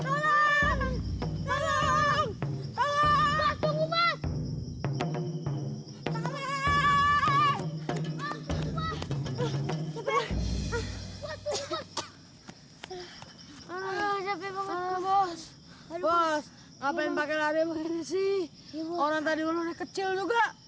bos ngapain pake lari lari ini sih orang tadi kecil juga